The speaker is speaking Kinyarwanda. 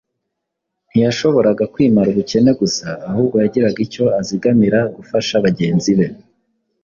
ntiyashoboraga kwimara ubukene gusa ahubwo yagiraga icyo azigamira gufasha bagenzi be